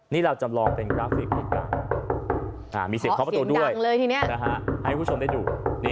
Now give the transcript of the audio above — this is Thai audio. นี่เราจับรองเป็นกราฟิกคลิปก่อนมีเสียงเคาะประตูด้วยให้ผู้ชมได้ดู